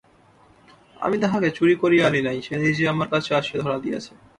আমি তাহাকে চুরি করিয়া আনি নাই, সে নিজে আমার কাছে আসিয়া ধরা দিয়াছে।